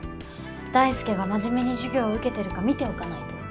大輔が真面目に授業受けてるか見ておかないと。